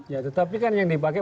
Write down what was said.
ya tetapi kan yang dipakai